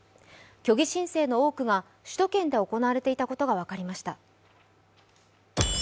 虚偽申請の多くが、首都圏で行われていたことが分かりました。